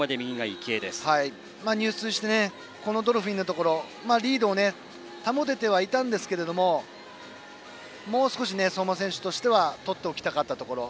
入水してドルフィンのとこリードを保ててはいたんですがもう少し相馬選手としてはとっておきたかったところ。